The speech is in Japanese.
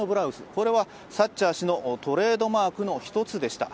これはサッチャー元首相のトレードマークでした。